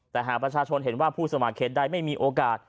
แต่หากประชาชนเห็นว่าผู้สมัครเขตใดไม่มีโอกาส